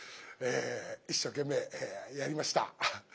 一生懸命やりました。